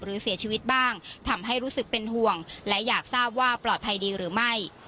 หรือเสียชีวิตบ้างทำให้รู้สึกเป็นห่วงและอยากทราบว่าปลอดภัยดีหรือไม่